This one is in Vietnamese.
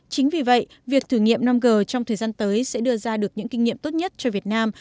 chính vì vậy việc thử nghiệm năm g trong thời gian tới sẽ đưa ra được những kinh nghiệm tốt nhất cho việt nam